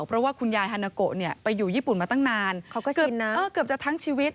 เพราะว่าคุณยายฮานาโกะไปอยู่ญี่ปุ่นมาตั้งนานเกือบจะทั้งชีวิต